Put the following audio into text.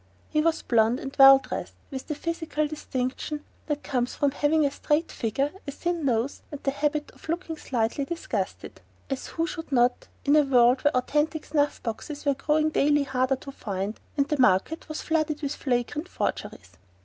He was blond and well dressed, with the physical distinction that comes from having a straight figure, a thin nose, and the habit of looking slightly disgusted as who should not, in a world where authentic snuff boxes were growing daily harder to find, and the market was flooded with flagrant forgeries?